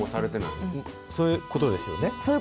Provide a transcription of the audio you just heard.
そういうことですよね。